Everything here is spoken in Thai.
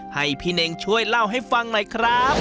ให้พี่เน่งช่วยเล่าให้ฟังหน่อยครับ